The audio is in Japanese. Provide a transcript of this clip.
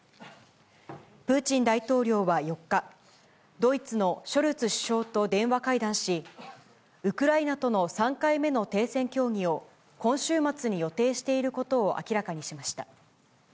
プーチン大統領は４日、ドイツのショルツ首相と電話会談し、ウクライナとの３回目の停戦協議を今週末に予定していることを明らかにしました。